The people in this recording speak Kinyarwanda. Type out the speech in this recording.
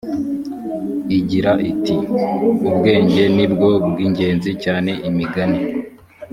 igira iti ubwenge ni bwo bw ingenzi cyane imigani